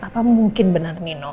apa mungkin benar nino